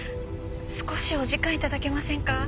少しお時間頂けませんか？